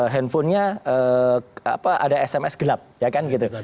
handphonenya ada sms gelap ya kan gitu